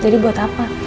jadi buat apa